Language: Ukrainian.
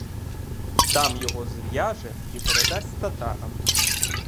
Там його зв'яже і передасть татарам.